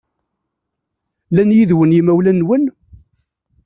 Llan yid-wen yimawlan-nwen?